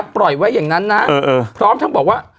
ปล่อยไว้อย่างนั้นนะพร้อมทั้งบอกว่า